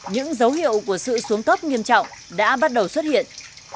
những dấu hiệu của sự xuống cấp nghiêm trọng đã bắt đầu xuất hiện